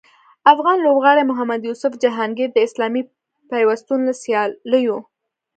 افغان لوبغاړي محمد یوسف جهانګیر د اسلامي پیوستون له سیالیو